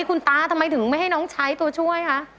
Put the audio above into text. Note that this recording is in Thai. คุณตาทำไมถึงไม่ให้น้องใช้ตัวช่วยคะ